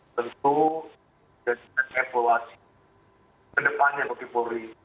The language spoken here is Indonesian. tentu jadikan evaluasi ke depannya bagi polri